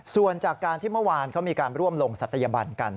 ส่วนจากการที่เมื่อวานเขามีการร่วมลงศัตยบันกัน